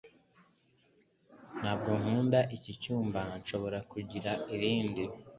Ntabwo nkunda iki cyumba. Nshobora kugira irindi?